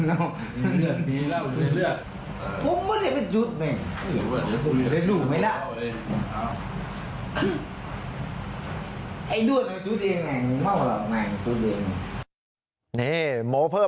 นายวิไหนเขาบอกแต่เขาปฏิเสธ